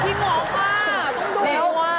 โอ้โฮสามีพี่หงกค่ะ